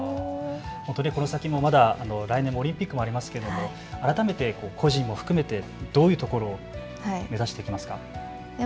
本当にこの先もまだ来年のオリンピックもありますけど改めて個人も含めて、どういうところを目指していきますか。